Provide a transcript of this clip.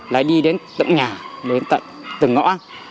lại đi đến tận nhà đến tận từng ngõ